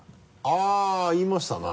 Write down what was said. あぁ言いましたな。